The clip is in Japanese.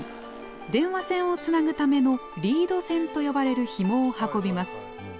電話線をつなぐためのリード線と呼ばれるひもを運びます。